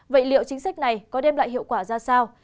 vậy liệu chính sách này có đem lại hiệu quả ra sao